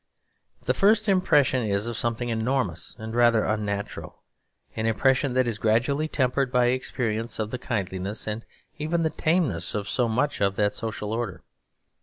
The first impression is of something enormous and rather unnatural, an impression that is gradually tempered by experience of the kindliness and even the tameness of so much of that social order.